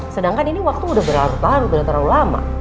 sedangkan ini waktu udah berlalu lalu udah terlalu lama